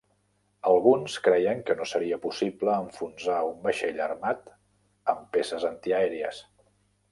Alguns creien que no seria possible enfonsar un vaixell armat amb peces antiaèries.